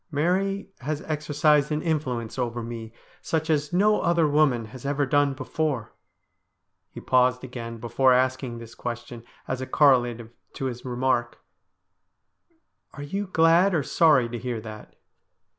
Mary has exercised an influence over me such as no other woman has ever done before.' He paused again before asking this question, as a correlative to his remark :' Are you glad or sorry to hear that